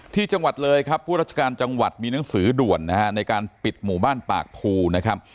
ที่จังหวัดเลยครับผู้ราชการจังหวัดมีหนังสือด่วนนะฮะในการปิดหมู่บ้านปากภูนะครับ